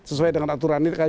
sesuai dengan aturan ini